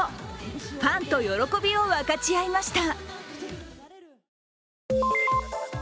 ファンと喜びを分かち合いました。